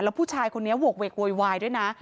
แล้วผู้ชายคนนี้โหกเวกโวยวายด้วยนะ